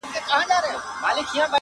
چي پر لاري برابر سي او سړی سي؛